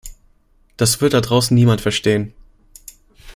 Das wird da draußen niemand verstehen!